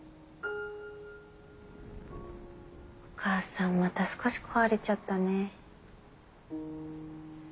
お母さんまた少し壊れちゃったね。